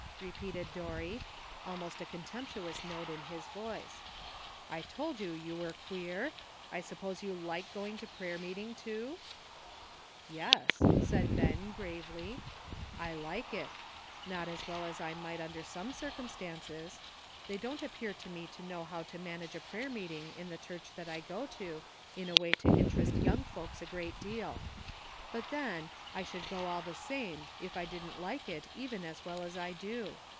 " repeated Dorry, al most a contemptuous note in his voice; ''I told you you were queer. I suppose you like to go to prayer meeting, too ?"" Yes," said Ben gravely, *' I like it; not as well as I might under some circumstances. They don't appear to me to know how to man age a prayer meeting in the church that I go to in a way to interest young folks a great deal ; but then, I should go all the same if I didn't like it even as well as I do.